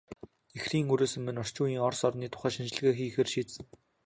Ихрийн өрөөсөн маань орчин үеийн Орос орны тухай шинжилгээ хийхээр шийдсэн.